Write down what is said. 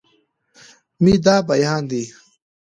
مې دا بيان دی